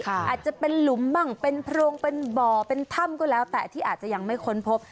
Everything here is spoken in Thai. อาจจะเป็นหลุมบ้างเป็นโพรงเป็นบ่อเป็นถ้ำก็แล้วแต่ที่อาจจะยังไม่ค้นพบ